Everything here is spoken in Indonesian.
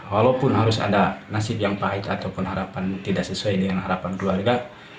walaupun harus ada nasib yang pahit ataupun harapan tidak sesuai dengan harapan keluarga